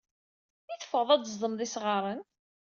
I teffɣed ad d-tzedmed isɣaren?